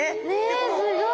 えすごい！